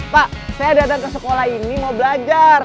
pak saya datang ke sekolah ini mau belajar